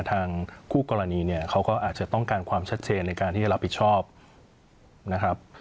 ทางคู่กรณีเนี่ยเขาก็อาจจะต้องการความชัดเจนในการที่จะรับผิดชอบนะครับ